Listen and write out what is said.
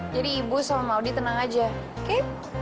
jadi ibu sama maudie tenang aja oke